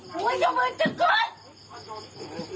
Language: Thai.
มึงกล้องหากูมึงกล้องหากูมึงจะเอากูไหม